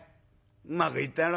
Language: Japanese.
うまくいったろ？」。